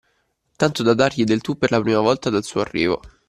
Tanto da dargli del tu per la prima volta dal suo arrivo.